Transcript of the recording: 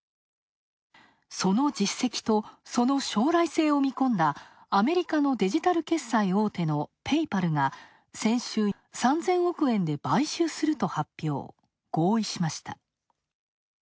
その実績とその将来性を見込んだアメリカのデジタル決済大手のペイパルが先週、３０００億円で買収すると発表、合意しました。